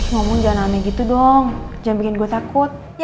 isn't norm spark ya